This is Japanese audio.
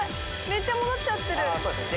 めっちゃ戻っちゃってる。